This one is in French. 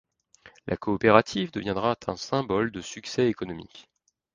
La coopérative deviendra un symbole de succès économique.